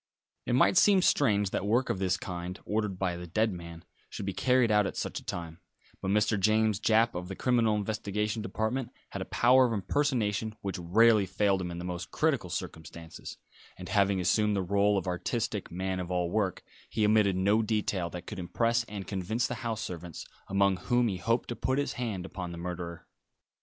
It might seem strange that work of this kind, ordered by the dead man, should be carried out at such a time; but Mr. James Japp, of the Criminal Investigation Department, had a power of impersonation which rarely failed him in the most critical circumstances; and having assumed the role of artistic man of all work, he omitted no detail that could impress and convince the house servants, among whom he hoped to put his hand upon the murderer.